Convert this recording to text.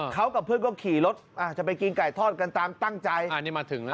เขากับเพื่อนก็ขี่รถอาจจะไปกินไก่ทอดกันตามตั้งใจอันนี้มาถึงนะ